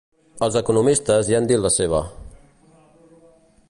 Els economistes hi han dit la seva.